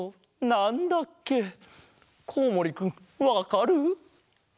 コウモリくんわかる？